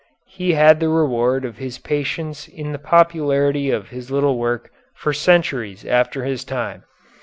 He had the reward of his patience in the popularity of his little work for centuries after his time.